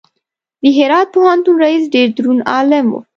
د هرات پوهنتون رئیس ډېر دروند عالم و.